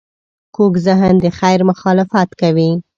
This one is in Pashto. کوږ ذهن د خیر مخالفت کوي